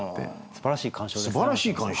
すばらしい鑑賞でしたね。